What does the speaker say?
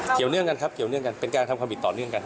เกี่ยวเนื่องกันครับเกี่ยวเนื่องกันเป็นการทำความผิดต่อเนื่องกัน